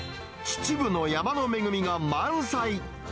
秩父の山の恵みが満載。